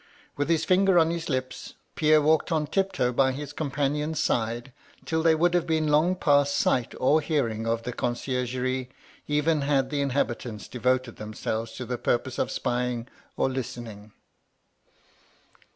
With his finger on his lips, Pierre walked on tiptoe by his companion's side till they would have been long past sight or hearing of the conder gerie, even had the inhabitants devoted ^themselves to the purposes of spying or listening.